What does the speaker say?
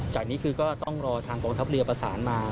จากนี้คือก็ต้องรอทางกองทัพเรือประสานมา